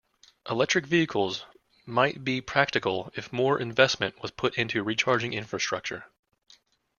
Electric Vehicles might be practical if more investment was put into recharging infrastructure.